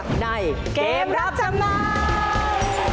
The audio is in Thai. ในเกมรับจำนำ